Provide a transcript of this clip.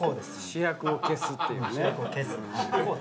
主役を消すっていうね。